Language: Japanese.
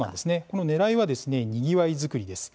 このねらいは、にぎわい作りです。